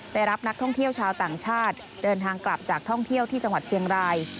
รับนักท่องเที่ยวชาวต่างชาติเดินทางกลับจากท่องเที่ยวที่จังหวัดเชียงราย